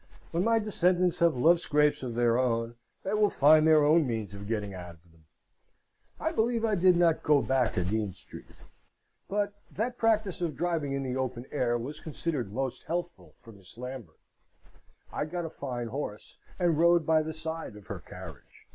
When my descendants have love scrapes of their own, they will find their own means of getting out of them. I believe I did not go back to Dean Street, but that practice of driving in the open air was considered most healthful for Miss Lambert. I got a fine horse, and rode by the side of her carriage.